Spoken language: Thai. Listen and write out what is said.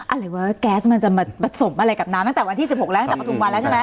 หรือว่าแก๊สมันจะมาผสมอะไรกับน้ำตั้งแต่วันที่๑๖แล้วตั้งแต่ปฐุมวันแล้วใช่ไหม